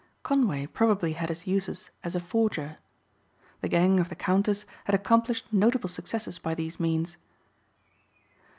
Conway probably had his uses as a forger. The gang of the Countess had accomplished notable successes by these means.